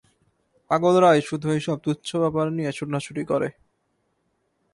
পাগলরাই শুধু এইসব তুচ্ছ ব্যাপার নিয়ে ছোটাছুটি করে।